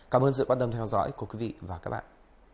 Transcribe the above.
cảm ơn sự quan tâm theo dõi của quý vị và các bạn